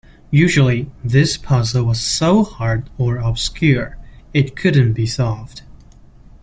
Usually, this puzzle was so hard or obscure, it couldn't be solved.